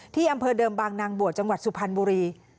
ที่อำเภอเดิมบางนางบวชจังหวัดสุพรรณบุรี